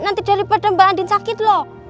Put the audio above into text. nanti daripada mbak andin sakit loh